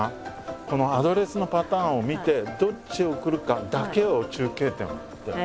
このアドレスのパターンを見てどっちへ送るかだけを中継点はやってる。